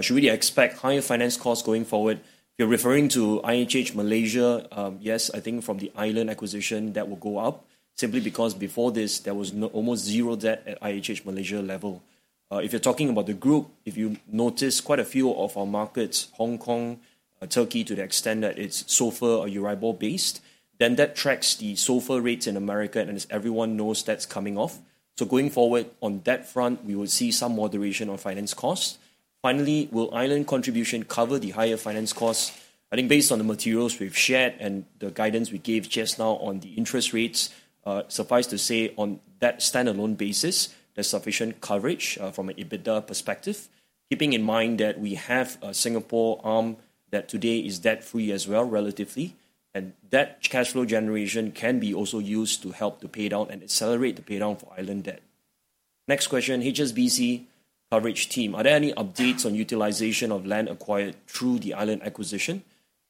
Should we expect higher finance costs going forward? If you're referring to IHH Malaysia, yes, I think from the Island acquisition, that will go up simply because before this, there was almost zero debt at IHH Malaysia level. If you're talking about the group, if you notice quite a few of our markets, Hong Kong, Turkey, to the extent that it's SOFR or EURIBOR based, then that tracks the SOFR rates in America, and everyone knows that's coming off. So going forward on that front, we will see some moderation on finance costs. Finally, will Island contribution cover the higher finance costs? I think based on the materials we've shared and the guidance we gave just now on the interest rates, suffice to say, on that standalone basis, there's sufficient coverage from an EBITDA perspective, keeping in mind that we have a Singapore arm that today is debt-free as well, relatively. And that cash flow generation can be also used to help to pay down and accelerate the paydown for Island debt. Next question, HSBC coverage team. Are there any updates on utilization of land acquired through the Island acquisition?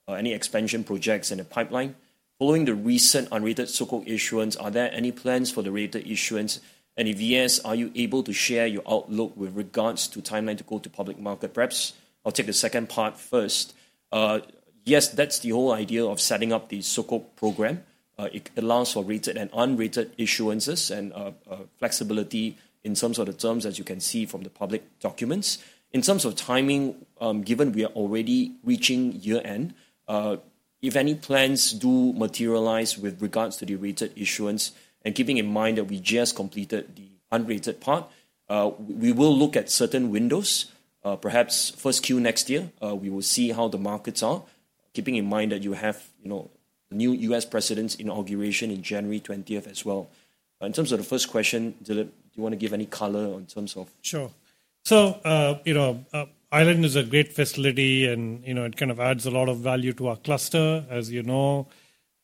Any expansion projects in the pipeline? Following the recent unrated Sukuk issuance, are there any plans for the rated issuance? And if yes, are you able to share your outlook with regards to timeline to go to public market? Perhaps I'll take the second part first. Yes, that's the whole idea of setting up the Sukuk program. It allows for rated and unrated issuances, and flexibility in terms of the terms, as you can see from the public documents. In terms of timing, given we are already reaching year-end, if any plans do materialize with regards to the rated issuance, and keeping in mind that we just completed the unrated part, we will look at certain windows. Perhaps first Q next year, we will see how the markets are, keeping in mind that you have a new U.S. president's inauguration on January 20th as well. In terms of the first question, Dilip, do you want to give any color in terms of? Sure. Island is a great facility, and it kind of adds a lot of value to our cluster, as you know.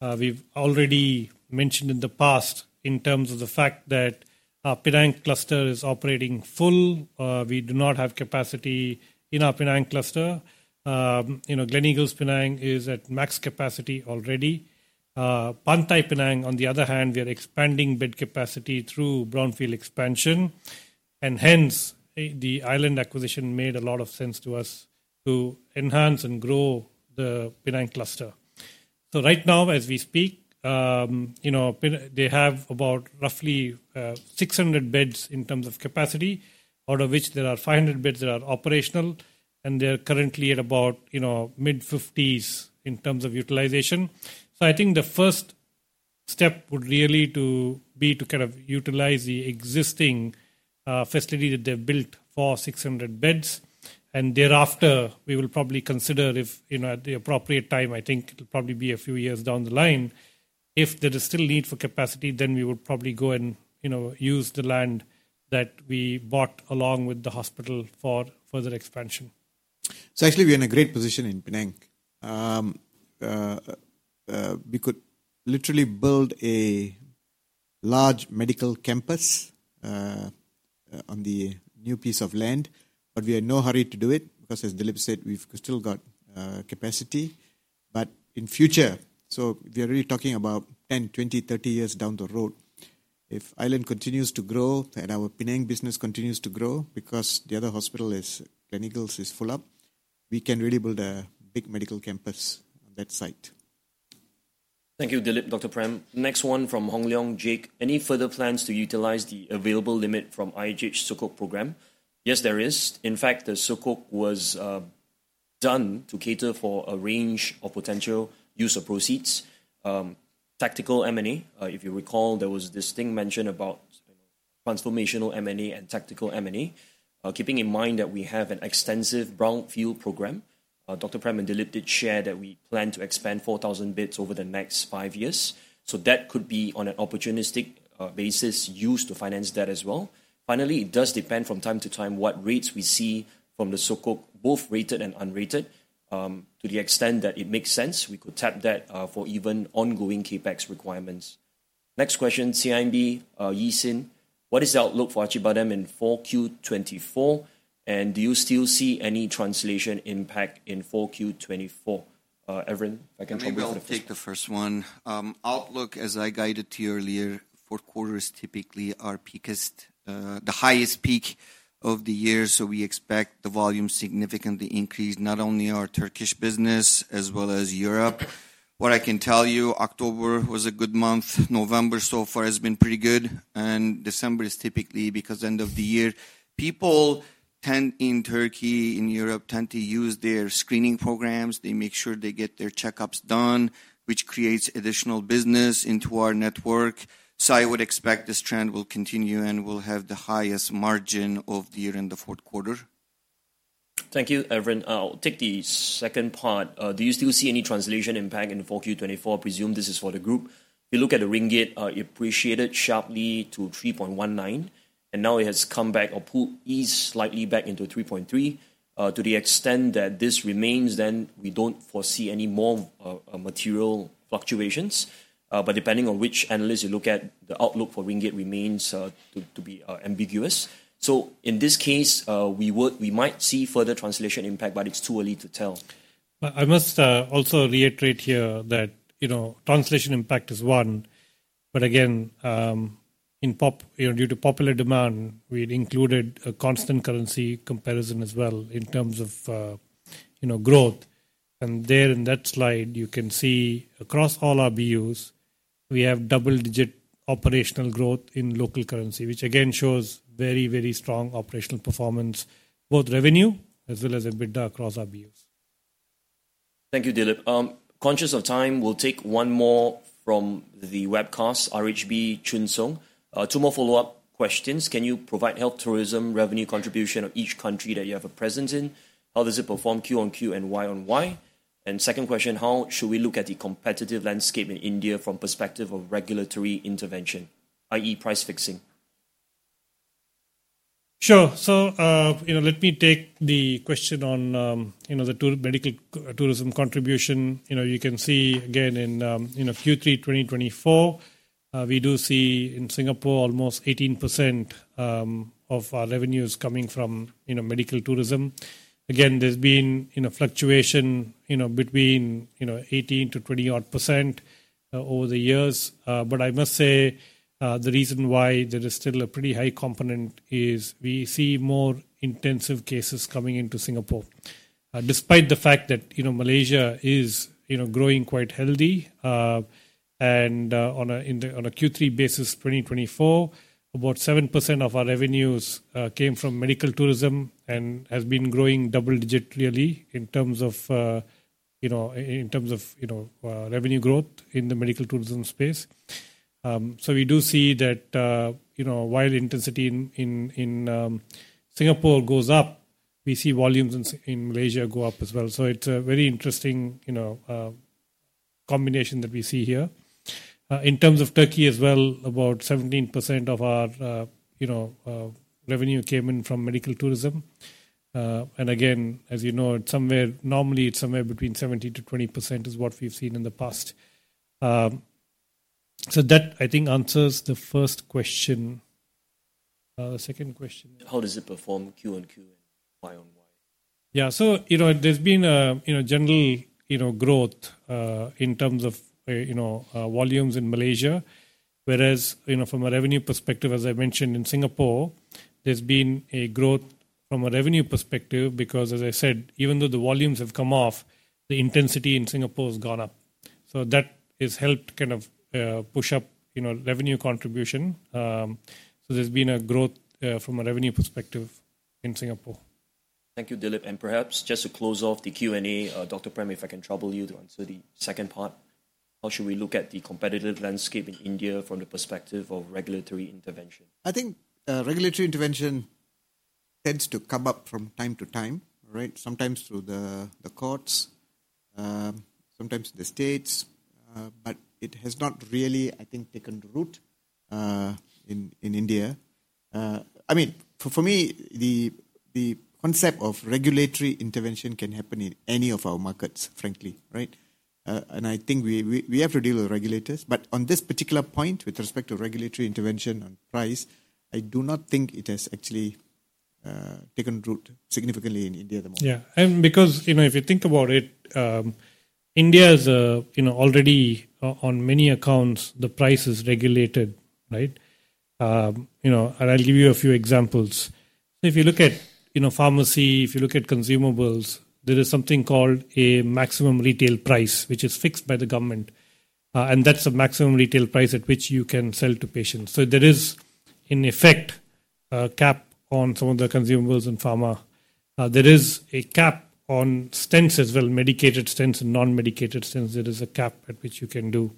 We have already mentioned in the past in terms of the fact that our Penang cluster is operating full. We do not have capacity in our Penang cluster. Gleneagles Penang is at max capacity already. Pantai Penang, on the other hand, we are expanding bed capacity through brownfield expansion. Hence, the Island acquisition made a lot of sense to us to enhance and grow the Penang cluster. Right now, as we speak, they have about roughly 600 beds in terms of capacity, out of which there are 500 beds that are operational, and they are currently at about mid-50s% in terms of utilization. I think the first step would really be to kind of utilize the existing facility that they have built for 600 beds. Thereafter, we will probably consider if at the appropriate time, I think it'll probably be a few years down the line, if there is still need for capacity, then we would probably go and use the land that we bought along with the hospital for further expansion. Actually, we're in a great position in Penang. We could literally build a large medical campus on the new piece of land, but we are in no hurry to do it because, as Dilip said, we've still got capacity. In future, we are really talking about 10, 20, 30 years down the road, if Island continues to grow and our Penang business continues to grow because the other hospital, Gleneagles, is full up, we can really build a big medical campus on that site. Thank you, Dilip, Dr. Prem. Next one from Hong Leong, Jake. Any further plans to utilize the available limit from IHH Sukuk Program? Yes, there is. In fact, the Sukuk was done to cater for a range of potential use of proceeds. Tactical M&A, if you recall, there was this thing mentioned about transformational M&A and tactical M&A. Keeping in mind that we have an extensive brownfield program, Dr. Prem and Dilip did share that we plan to expand 4,000 beds over the next five years. So that could be on an opportunistic basis used to finance that as well. Finally, it does depend from time to time what rates we see from the Sukuk, both rated and unrated, to the extent that it makes sense. We could tap that for even ongoing CapEx requirements. Next question, CIMB Yi Sin. What is the outlook for Archie Bottom in 4Q24? Do you still see any translation impact in 4Q24? Evren, if I can trouble you for the first. I'll take the first one. Outlook, as I guided to you earlier, fourth quarter is typically our peakiest, the highest peak of the year. So we expect the volume significantly increase, not only our Turkish business as well as Europe. What I can tell you, October was a good month. November so far has been pretty good. December is typically because end of the year. People tend in Turkey, in Europe, tend to use their screening programs. They make sure they get their checkups done, which creates additional business into our network. So I would expect this trend will continue and will have the highest margin of the year in the fourth quarter. Thank you, Evren. I'll take the second part. Do you still see any translation impact in 4Q24? Presume this is for the group. If you look at the ringgit, it appreciated sharply to 3.19, and now it has come back or eased slightly back into 3.3. To the extent that this remains, then we don't foresee any more material fluctuations, but depending on which analyst you look at, the outlook for ringgit remains to be ambiguous. In this case, we might see further translation impact, but it's too early to tell. I must also reiterate here that translation impact is one. But again, due to popular demand, we included a constant currency comparison as well in terms of growth. And there in that slide, you can see across all our BUs, we have double-digit operational growth in local currency, which again shows very, very strong operational performance, both revenue as well as EBITDA across our BUs. Thank you, Dilip. Conscious of time, we'll take one more from the webcast, RHB Junseong. Two more follow-up questions. Can you provide health tourism revenue contribution of each country that you have a presence in? How does it perform Q on Q and Y on Y? And second question, how should we look at the competitive landscape in India from perspective of regulatory intervention, i.e., price fixing? Sure. So let me take the question on the medical tourism contribution. You can see again in Q3 2024, we do see in Singapore almost 18% of our revenues coming from medical tourism. Again, there's been fluctuation between 18%-20% over the years. But I must say the reason why there is still a pretty high component is we see more intensive cases coming into Singapore. Despite the fact that Malaysia is growing quite healthy, and on a Q3 basis 2024, about 7% of our revenues came from medical tourism and has been growing double-digit really in terms of revenue growth in the medical tourism space. So we do see that while intensity in Singapore goes up, we see volumes in Malaysia go up as well. So it's a very interesting combination that we see here. In terms of Turkey as well, about 17% of our revenue came in from medical tourism. And again, as you know, normally it's somewhere between 17%-20% is what we've seen in the past. So that, I think, answers the first question. The second question. How does it perform Q on Q and Y on Y? Yeah. So there's been a general growth in terms of volumes in Malaysia, whereas from a revenue perspective, as I mentioned in Singapore, there's been a growth from a revenue perspective because, as I said, even though the volumes have come off, the intensity in Singapore has gone up. So that has helped kind of push up revenue contribution. So there's been a growth from a revenue perspective in Singapore. Thank you, Dilip. And perhaps just to close off the Q&A, Dr. Prem, if I can trouble you to answer the second part, how should we look at the competitive landscape in India from the perspective of regulatory intervention? I think regulatory intervention tends to come up from time to time, sometimes through the courts, sometimes the states, but it has not really, I think, taken root in India. I mean, for me, the concept of regulatory intervention can happen in any of our markets, frankly, and I think we have to deal with regulators, but on this particular point with respect to regulatory intervention on price, I do not think it has actually taken root significantly in India at the moment. Yeah. And because if you think about it, India is already on many accounts, the price is regulated. And I'll give you a few examples. So if you look at pharmacy, if you look at consumables, there is something called a maximum retail price, which is fixed by the government. And that's a maximum retail price at which you can sell to patients. So there is, in effect, a cap on some of the consumables and pharma. There is a cap on stents as well, medicated stents and non-medicated stents. There is a cap at which you can do.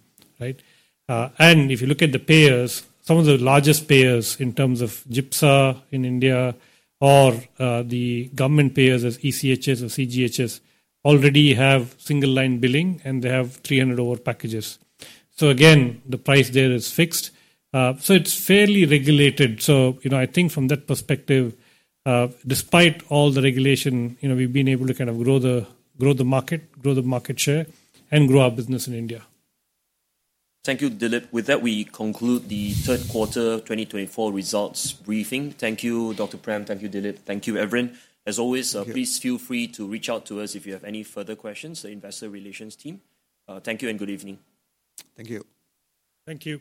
And if you look at the payers, some of the largest payers in terms of GIPSA in India or the government payers as ECHS or CGHS already have single-line billing, and they have 300-over packages. So again, the price there is fixed. So it's fairly regulated. So I think from that perspective, despite all the regulation, we've been able to kind of grow the market, grow the market share, and grow our business in India. Thank you, Dilip. With that, we conclude the third quarter 2024 results briefing. Thank you, Dr. Prem. Thank you, Dilip. Thank you, Evren. As always, please feel free to reach out to us if you have any further questions. The investor relations team. Thank you and good evening. Thank you. Thank you.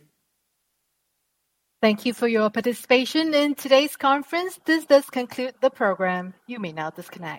Thank you for your participation in today's conference. This does conclude the program. You may now disconnect.